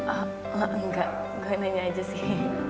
ah enggak gue nanya aja sih